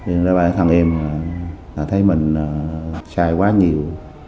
nên là bà thằng em thấy mình sai quá nhiều